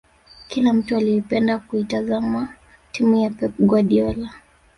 Kila mtu aliipenda kuitazama timu ya pep guardiola